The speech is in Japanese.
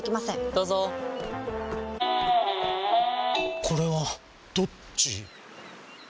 どうぞこれはどっち？